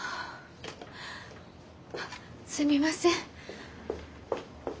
すみません。